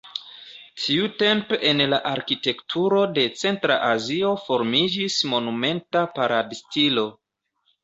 Tiutempe en la arkitekturo de Centra Azio formiĝis monumenta parad-stilo.